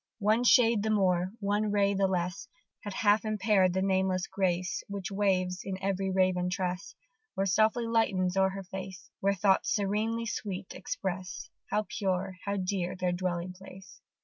One shade the more, one ray the less, Had half impair'd the nameless grace Which waves in every raven tress, Or softly lightens o'er her face; Where thoughts serenely sweet express How pure, how dear their dwelling place.